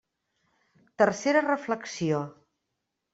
Tercera reflexió.